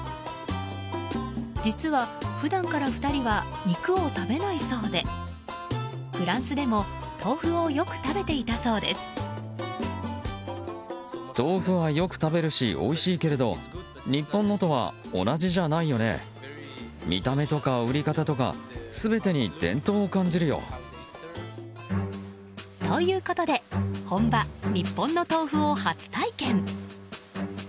実は、普段から２人は肉を食べないそうでフランスでも豆腐をよく食べていたそうです。ということで本場・日本の豆腐を初体験！